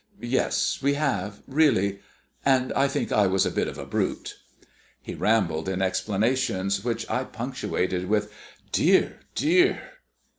"Yes, we have, really; and I think I was a bit of a brute." He rambled in explanations, which I punctuated with "Dear, dear."